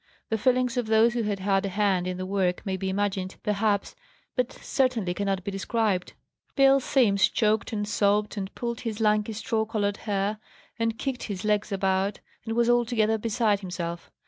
The feelings of those who had had a hand in the work may be imagined, perhaps, but certainly cannot be described. Bill Simms choked and sobbed, and pulled his lanky straw coloured hair, and kicked his legs about, and was altogether beside himself.